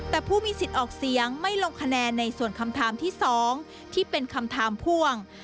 แต่ผู้มีสิทธิ์ออกเสียงไม่ลงคะแนนในส่วนคำถามที่๒ที่เป็นคำถามพ่วง